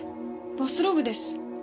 バスローブです。